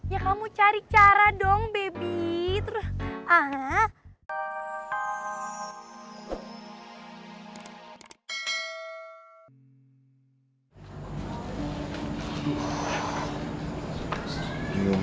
ya kamu cari cara dong bebip